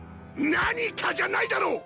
「何か？」じゃないだろう！